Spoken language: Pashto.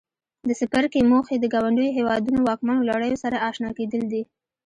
د څپرکي موخې د ګاونډیو هېوادونو واکمنو لړیو سره آشنا کېدل دي.